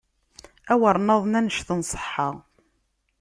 Awer naḍen, annect nṣeḥḥa!